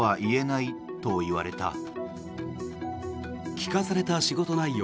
聞かされた仕事内容。